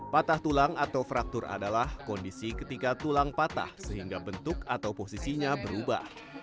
patah tulang atau fraktur adalah kondisi ketika tulang patah sehingga bentuk atau posisinya berubah